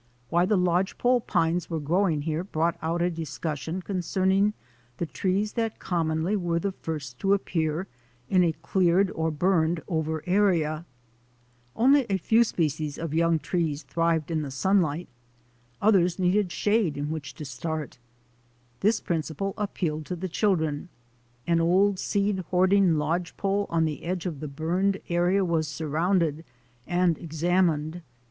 Why the lodgepole pines were growing here brought out a discussion con cerning the trees that commonly were the first to appear in a cleared or burned over area. Only a few species of young trees thrive in the sunlight; A DAY WITH A NATURE GUIDE 197 others need shade in which to start. This principle appealed to the children. An old seed hoarding lodgepole on the edge of the burned area was sur rounded and examined.